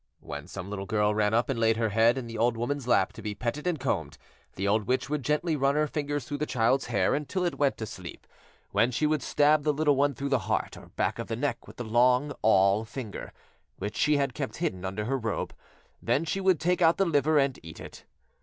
When some little girl ran up and laid her head in the old woman's lap to be petted and combed the old witch would gently run her fingers through the child's hair until it went to sleep, when she would stab the little one through the heart or back of the neck with the long awl finger, which she had kept hidden under her robe. Then she would take out the liver and eat it.